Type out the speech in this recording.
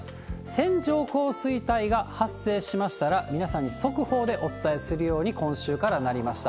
線状降水帯が発生しましたら、皆さんに速報でお伝えするように、今週からなりました。